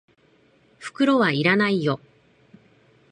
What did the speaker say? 袋は要らないよ。